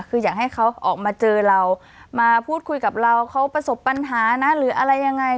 คืออยากให้เขาออกมาเจอเรามาพูดคุยกับเราเขาประสบปัญหานะหรืออะไรยังไง